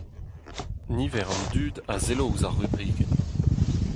Niver an dud a sello ouzh ar rubrikenn.